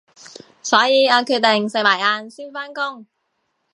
所以我決定食埋晏先返工